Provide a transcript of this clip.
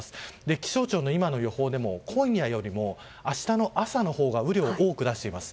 気象庁の今の予報でも今夜よりも明日の朝のほうが雨量を多く出しています。